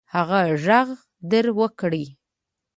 هغه ږغ در وکړئ.